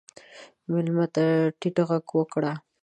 مېلمه ته ټیټ غږ وکړه.